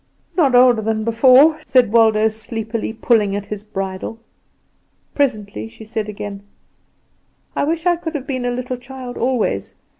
"Not older than before," said Waldo sleepily, pulling at his bridle. Presently she said again: "I wish I could have been a little child always.